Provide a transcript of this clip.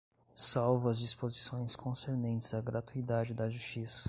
Salvo as disposições concernentes à gratuidade da justiça